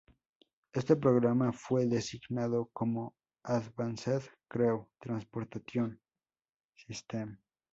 Este programa fue designado como "Advanced Crew Transportation System".